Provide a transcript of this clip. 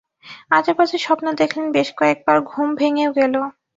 আজেবাজে স্বপ্ন দেখলেন, বেশ কয়েক বার ঘুম ভেঙেও গেল।